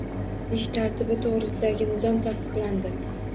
Ish tartibi to‘g‘risidagi nizom tasdiqlandi.